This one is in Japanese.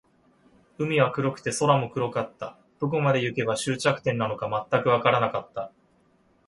海は黒くて、空も黒かった。どこまで行けば、終着点なのか全くわからなかった。